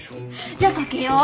じゃあ賭けよう。